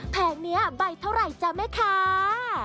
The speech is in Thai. แพงงี้อ่ะใบเท่าไหร่จ้าแม่ค้า